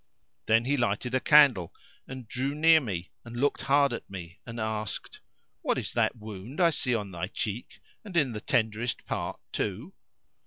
Then he lighted a candle and drew near me and looked hard at me and asked, "What is that wound I see on thy cheek and in the tenderest part too?"